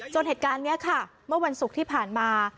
เหตุการณ์นี้ค่ะเมื่อวันศุกร์ที่ผ่านมา